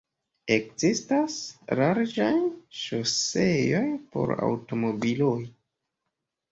Ekzistas larĝaj ŝoseoj por aŭtomobiloj.